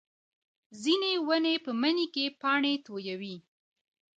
ځینې ونې په مني کې پاڼې تویوي